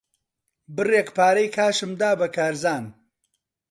بڕێک پارەی کاشم دا بە کارزان.